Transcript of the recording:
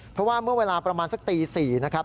เพราะว่าเมื่อเวลาประมาณสักตี๔นะครับ